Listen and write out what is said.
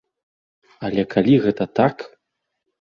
Але калі гэта так!